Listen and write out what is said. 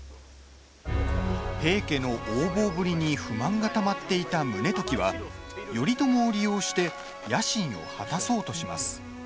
平家の横暴ぶりに不満がたまっていた宗時は頼朝を利用して野心を果たそうとします。